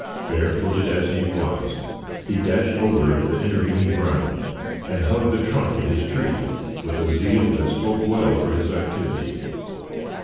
Barefooted as he was, he dashed over the intervening ground, and hugged the trunk of his tree with a zeal that spoke well for his activity.